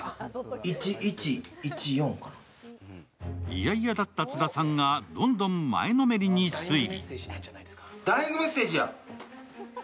嫌々だった津田さんがどんどん前のめりに推理。